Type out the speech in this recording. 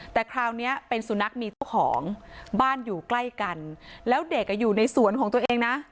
แต่คราวนี้เป็นสุนัขมีเจ้าของบ้านอยู่ใกล้กันแล้วเด็กอยู่ในสวนของตัวเองนะ